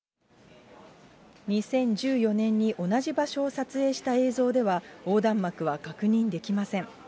２０１４年に同じ場所を撮影した映像では、横断幕は確認できません。